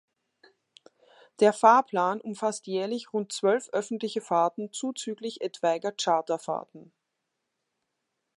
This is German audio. Der Fahrplan umfasst jährlich rund zwölf öffentliche Fahrten zuzüglich etwaiger Charterfahrten.